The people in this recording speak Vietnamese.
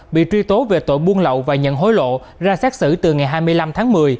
bị truy tố về tội buôn lậu và nhận hối lộ ra xác xử từ ngày hai mươi năm tháng một mươi